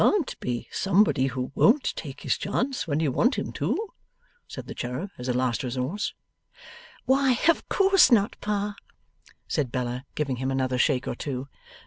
'There can't be somebody who won't take his chance when you want him to?' said the cherub, as a last resource. 'Why, of course not, Pa,' said Bella, giving him another shake or two.